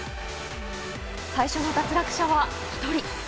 最初の脱落者は１人。